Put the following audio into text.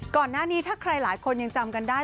ก่อนหน้านี้ถ้าใครหลายคนยังจำกันได้